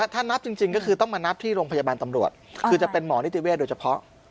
ถ้านับจริงก็คือต้องมานับที่โรงพยาบาลตำรวจคือจะเป็นหมอนิติเวทโดยเฉพาะ